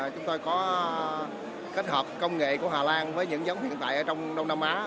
chúng tôi có kết hợp công nghệ của hà lan với những giống hiện tại ở trong đông nam á